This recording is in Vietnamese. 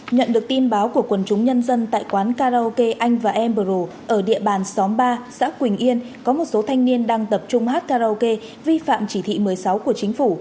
nhận được tin báo của quần chúng nhân dân tại quán karaoke anh và emberru ở địa bàn xóm ba xã quỳnh yên có một số thanh niên đang tập trung hát karaoke vi phạm chỉ thị một mươi sáu của chính phủ